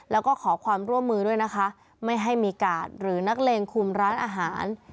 แล้วก็ขอความร่วมมือด้วยนะคะไม่ให้มีกาดหรือนักเลงคุมร้านอาหาร